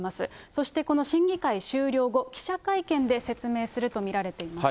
そしてこの審議会終了後、記者会見で説明すると見られています。